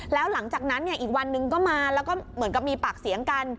แล้วหลังจากนั้นเนี่ยอีกวันนึงก็มาแล้วก็เหมือนกับมีปากเสียงกัน